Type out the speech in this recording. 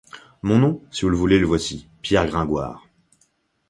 Mon nom ? si vous le voulez, le voici : Pierre Gringoire.